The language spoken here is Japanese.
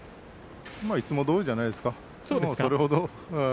いつもどおりじゃないですか。